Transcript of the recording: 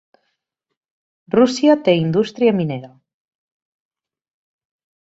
Rússia té indústria minera.